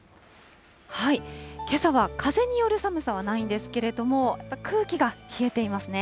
けさは風による寒さはないんですけれども、やっぱり空気が冷えていますね。